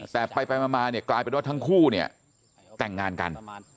แต่ไปมาเนี่ยกลายเป็นว่าทั้งคู่เนี่ยแต่งงานกัน